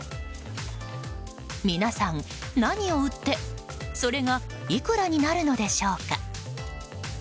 皆さん、何を売ってそれがいくらになるのでしょうか。